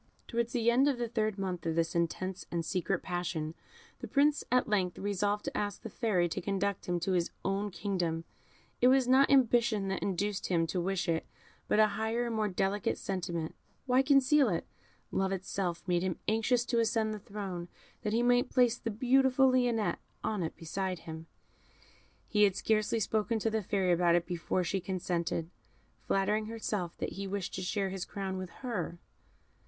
Towards the end of the third month of this intense and secret passion, the Prince at length resolved to ask the Fairy to conduct him to his own kingdom. It was not ambition that induced him to wish it, but a higher and more delicate sentiment. Why conceal it? Love itself made him anxious to ascend the throne, that he might place the beautiful Lionette on it beside him. He had scarcely spoken to the Fairy about it before she consented, flattering herself that he wished to share his crown with her.